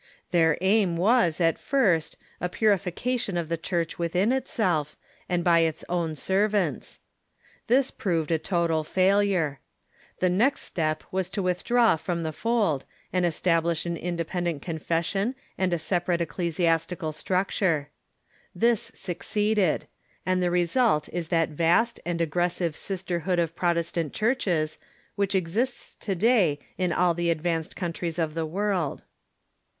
Their aim was, at first, a purification of the Church within itself, and by its own servants. This proved a total failure. The next step was to withdraw from the fold, and establish an independent confession and a separate ecclesi astical structure. This succeeded ; and the result is that vast and aggressive sisterhood of Protestant churches which exists to day in all the advanced countries of the world.